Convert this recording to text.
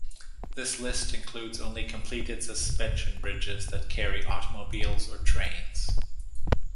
This list includes only completed suspension bridges that carry automobiles or trains.